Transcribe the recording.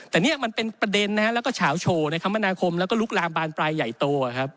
แต่นี้มันเป็นประเด็นและเฉาโชว์ในคำว่านาคมและลุกลางบานปลายใหญ่โต